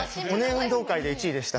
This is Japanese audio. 運動会で１位でした。